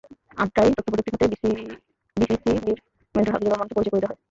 আড্ডায় তথ্যপ্রযুক্তি খাতে বিসিসিবির মেন্টর হাফিজুর রহমানকে পরিচয় করিয়ে দেওয়া হয়।